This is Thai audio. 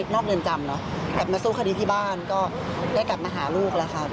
นอกเรือนจำเนอะกลับมาสู้คดีที่บ้านก็ได้กลับมาหาลูกแล้วค่ะ